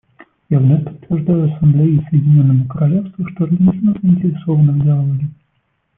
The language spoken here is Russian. Я вновь подтверждаю Ассамблее и Соединенному Королевству, что Аргентина заинтересована в диалоге.